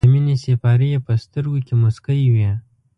د مینې سېپارې یې په سترګو کې موسکۍ وې.